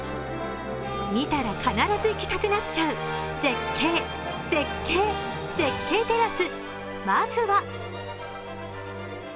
見たら必ず行きたくなっちゃう絶景、絶景、絶景テラス。